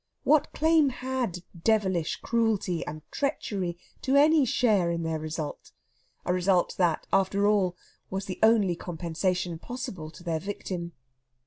What claim had devilish cruelty and treachery to any share in their result a result that, after all, was the only compensation possible to their victim?